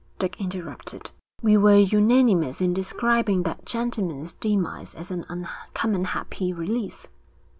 Dick interrupted. 'We were unanimous in describing that gentleman's demise as an uncommon happy release.'